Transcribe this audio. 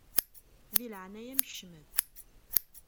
Di leɛnaya-m kcem-d!